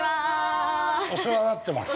◆お世話になってます。